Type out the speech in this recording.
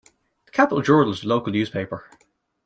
The "Capital Journal" is the local newspaper.